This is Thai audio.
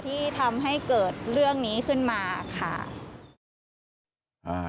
ที่ทำให้เกิดเรื่องนี้ขึ้นมาค่ะ